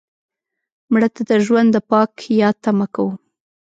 مړه ته د ژوند د پاک یاد تمه کوو